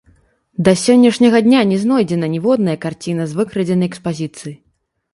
Да сённяшняга дня не знойдзена ніводная карціна з выкрадзенай экспазіцыі.